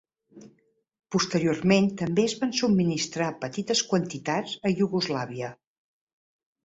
Posteriorment també es van subministrar petites quantitats a Iugoslàvia.